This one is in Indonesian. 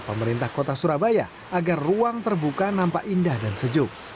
pemerintah kota surabaya agar ruang terbuka nampak indah dan sejuk